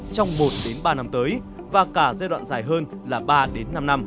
trong một ba năm tới và cả giai đoạn dài hơn là ba năm năm